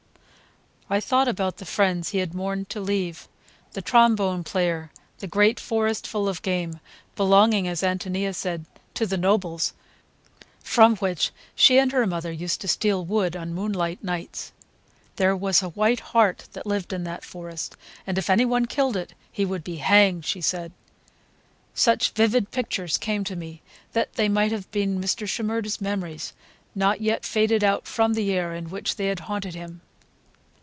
I thought about the friends he had mourned to leave, the trombone player, the great forest full of game,—belonging, as Ántonia said, to the "nobles,"—from which she and her mother used to steal wood on moonlight nights. There was a white hart that lived in that forest, and if any one killed it, he would be hanged, she said. Such vivid pictures came to me that they might have been Mr. Shimerda's memories, not yet faded out from the air in which they had haunted him.